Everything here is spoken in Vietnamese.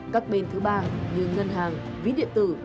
các bên thứ ba như ngân hàng ví điện tử